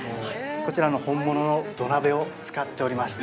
こちら、本物の土鍋を使っておりまして。